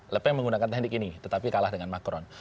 lepeng menggunakan teknik ini tetapi kalah dengan macron